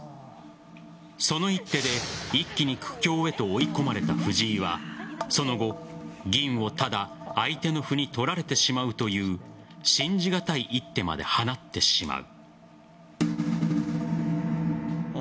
その一手で一気に苦境へと追い込まれた藤井はその後、銀をただ相手の歩に取られてしまうという信じ難い一手まで放ってしまう。